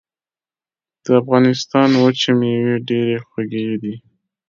د افغانستان وچې مېوې ډېرې خوږې دي.